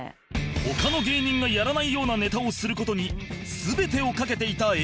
他の芸人がやらないようなネタをする事に全てをかけていた Ａ マッソ